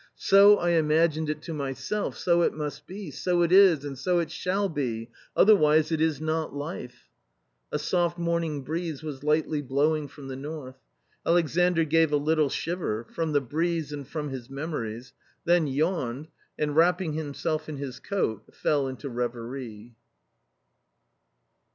So I imagined it to my self, so it must be, so it is, and so it shall be ! Otherwise it is not life !" A soft morning breeze was lightly blowing from the north. Alexandr gave a little shiver, from the breeze and from his memories, then yawned and, wrapping himself in his coat, fell into reverie.